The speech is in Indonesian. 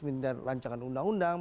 misalnya lancaran undang undang